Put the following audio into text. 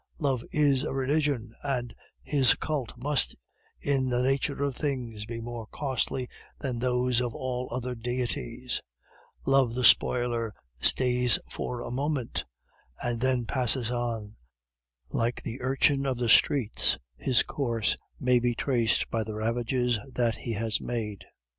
Love is a religion, and his cult must in the nature of things be more costly than those of all other deities; Love the Spoiler stays for a moment, and then passes on; like the urchin of the streets, his course may be traced by the ravages that he has made.